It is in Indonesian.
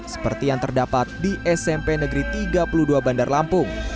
seperti yang terdapat di smp negeri tiga puluh dua bandar lampung